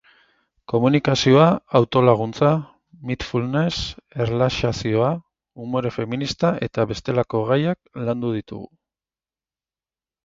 Komunikazioa, autolaguntza, mindfulness, erlaxazioa, umore feminista eta bestelako gaiak landu ditugu.